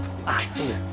そうです。